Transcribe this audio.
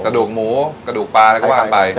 กระดูกหมูกระดูกปลาอะไรก็ว่ากันไป